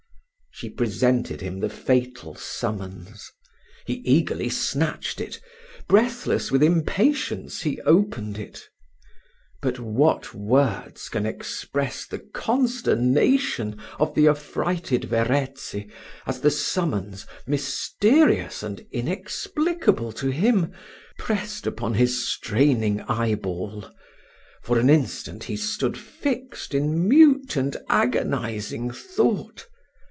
She presented him the fatal summons. He eagerly snatched it: breathless with impatience, he opened it. But what words can express the consternation of the affrighted Verezzi, as the summons, mysterious and inexplicable to him, pressed upon his straining eye ball. For an instant he stood fixed in mute and agonising thought.